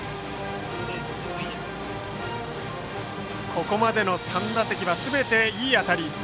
ここまでの３打席はすべていい当たり。